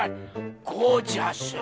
ゴージャス。